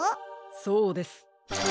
そうです。